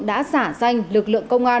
đã giả danh lực lượng công an